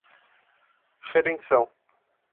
Redenção